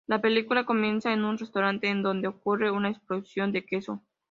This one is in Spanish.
La película comienza en un restaurante en donde ocurre una explosión de queso.